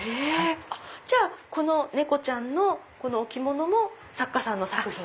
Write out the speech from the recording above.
じゃあこの猫ちゃんの置物も作家さんの作品。